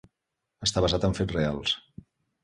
Està basat en fets reals.